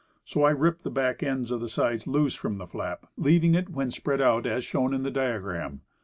So I ripped the back ends of the sides loose from the flap, leaving it, when spread out, as shown in the diagram.